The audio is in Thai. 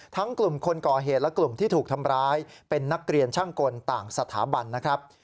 กลุ่มคนก่อเหตุและกลุ่มที่ถูกทำร้ายเป็นนักเรียนช่างกลต่างสถาบันนะครับ